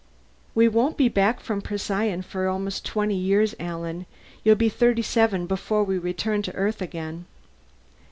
"We won't be back from Procyon for almost twenty years, Alan. You'll be thirty seven before we return to Earth again."